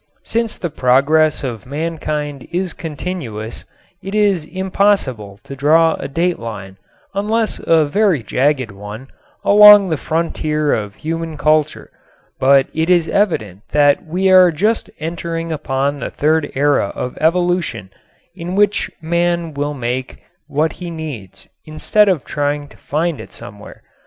Since the progress of mankind is continuous it is impossible to draw a date line, unless a very jagged one, along the frontier of human culture, but it is evident that we are just entering upon the third era of evolution in which man will make what he needs instead of trying to find it somewhere.